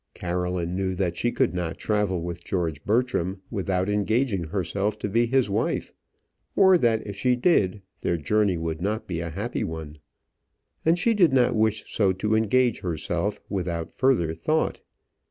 Caroline knew that she could not travel with George Bertram without engaging herself to be his wife; or that if she did, their journey would not be a happy one. And she did not wish so to engage herself without further thought.